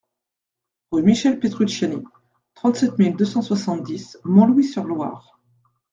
Rue Michel Petrucciani, trente-sept mille deux cent soixante-dix Montlouis-sur-Loire